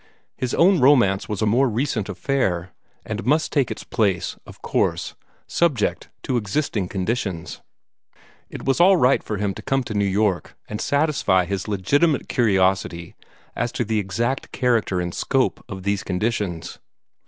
His own romance was a more recent affair, and must take its place, of course, subject to existing conditions. It was all right for him to come to New York, and satisfy his legitimate curiosity as to the exact character and scope of these conditions.